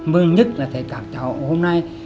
mới nhất là thấy các cháu hôm nay